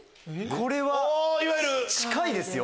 これは近いですよ。